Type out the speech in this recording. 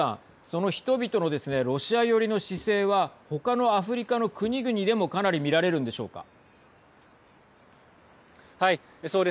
その人々のですねロシア寄りの姿勢は他のアフリカの国々でもかなり見られるんでしょうか。